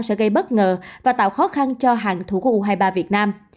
sẽ gây bất ngờ và tạo khó khăn cho hàng thủ của u hai mươi ba việt nam